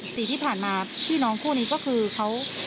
ปีที่ผ่านมาพี่น้องคู่นี้ก็คือเขา